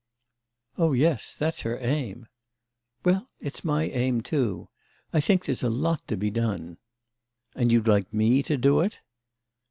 "Oh yes, that's her aim." "Well, it's my aim too. I think there's a lot to be done." "And you'd like me to do it?"